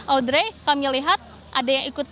audrey kami lihat ada yang ikut